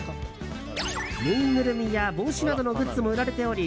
ぬいぐるみや帽子などのグッズも売られており